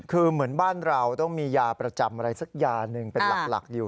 คือเหมือนบ้านเราต้องมียาประจำอะไรสักยาหนึ่งเป็นหลักอยู่